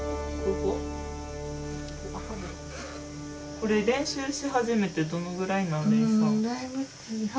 これ練習し始めてどのぐらいなん？